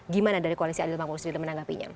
gimana dari koalisi adil makmur sendiri menanggapinya